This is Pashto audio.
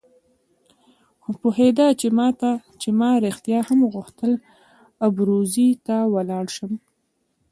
خو پوهېده چې ما رښتیا هم غوښتل ابروزي ته ولاړ شم.